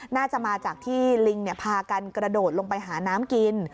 น่าจะมาจากที่ลิงพากันกระโดดลงไปหาน้ำกิน